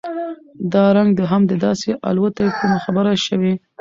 دا رنګ د هم داسې الوتى کومه خبره شوې؟